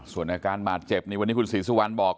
ส่วนอาการบาดเจ็บนี่วันนี้คุณศรีสุวรรณบอก